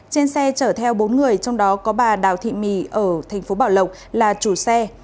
trên xe chở theo bốn người trong đó có bà đào thị mì ở tp bảo lộc là chủ xe